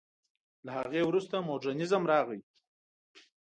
له هغې وروسته مډرنېزم راغی.